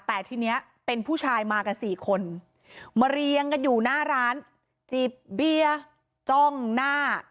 แต่ทีนี้เป็นผู้ชายมากันสี่คนมาเรียงกันอยู่หน้าร้านจีบเบียร์จ้องหน้า